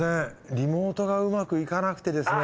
リモートがうまくいかなくてですね。